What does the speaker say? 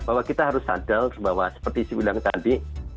bahwa kita harus sadar bahwa seperti si ulang tadi